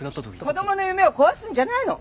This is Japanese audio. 子供の夢を壊すんじゃないの！